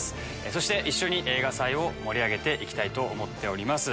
そして一緒に映画祭を盛り上げて行きたいと思ってます。